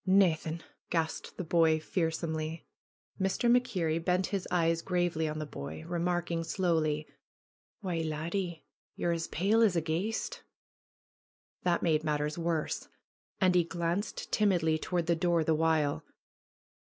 ^^Naethin' !" gasped the boy fearsomely. 38 ANDY'S VISION Mr. MacKerrie bent his eyes gravely on the boy, re marking slowly : ''Why, laddie, ye're as pale as a ghaist !" That made matters worse. Andy glanced timidly to ward the door the while.